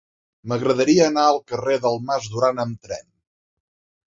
M'agradaria anar al carrer del Mas Duran amb tren.